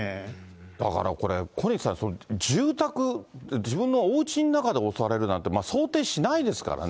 だからこれ、小西さん、住宅、自分のおうちの中で襲われるなんて想定しないですからね。